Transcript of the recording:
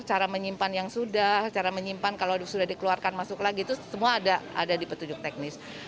cara menyimpan yang sudah cara menyimpan kalau sudah dikeluarkan masuk lagi itu semua ada di petunjuk teknis